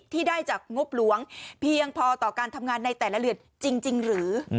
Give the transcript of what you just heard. ที่ได้จากงบหลวงเพียงพอต่อการทำงานในแต่ละเดือนจริงหรือ